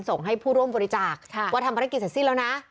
ส่งให้ผู้ร่วมบริจาคว่าทำภารกิจเสร็จสิ้นแล้วนะ